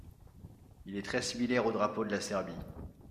Il est très similaire au drapeau de la Serbie.